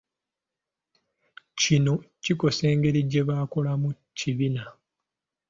Kino kikosa engeri gye bakolamu mu kibiina.